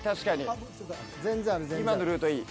今のルートいい。